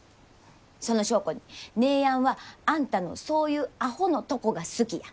その証拠に姉やんはあんたのそういうアホのとこが好きや。